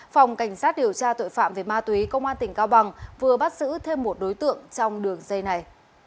phòng cảnh sát điều tra tội phạm về ma túy công an tỉnh cao bằng vừa bắt giữ thêm một đối tượng trong đường dây này